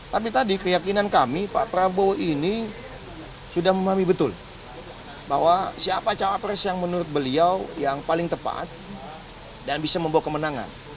tapi tadi keyakinan kami pak prabowo ini sudah memahami betul bahwa siapa cawapres yang menurut beliau yang paling tepat dan bisa membawa kemenangan